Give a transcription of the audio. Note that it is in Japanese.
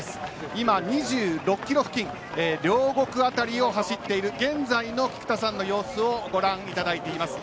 今、２６キロ付近両国あたりを走っている現在の菊田さんの様子をご覧いただいています。